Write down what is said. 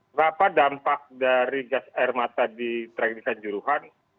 terdapat dampak dari gas air mata di traktikan juruhan